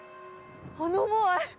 あのモアイ